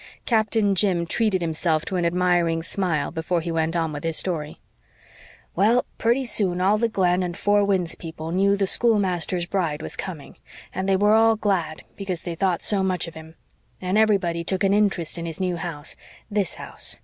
Captain Jim treated himself to an admiring smile before he went on with his story. "Well, purty soon all the Glen and Four Winds people knew the schoolmaster's bride was coming, and they were all glad because they thought so much of him. And everybody took an interest in his new house THIS house.